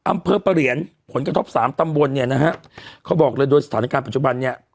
อำเภอประเหรียญผลกระทบสามตำบลเนี่ยนะฮะเขาบอกเลยโดยสถานการณ์ปัจจุบันเนี่ย